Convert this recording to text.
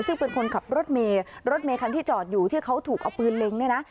ซึ่งเป็นคนขับรถเมย์รถเมคันที่จอดอยู่ที่เขาถูกเอาปืนเล็งเนี่ยนะ